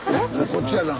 こっちやな。